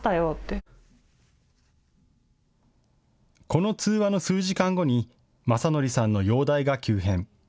この通話の数時間後に昌徳さんの容体が急変。